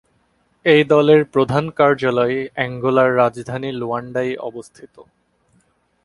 এই দলের প্রধান কার্যালয় অ্যাঙ্গোলার রাজধানী লুয়ান্ডায় অবস্থিত।